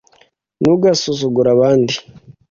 ntugasuzugure abandi